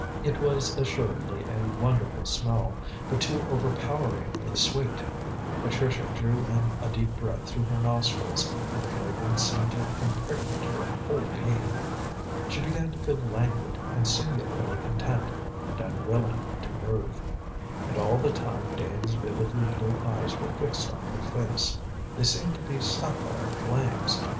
It was assuredly a wonderful smell, but too overpoweringly sweet. Patricia drew in a deep breath through her nostrils, and the fragrance seemed to impregnate her whole being. She began to feel languid and singularly content, and unwilling to move. And all the time Dane's vividly blue eyes were fixed on her face. They seemed to be sapphire flames.